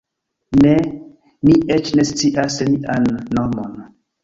Ne; mi eĉ ne scias lian nomon.